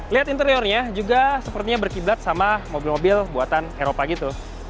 lihat interiornya juga sepertinya berkiblat sama mobil mobil buatan eropa gitu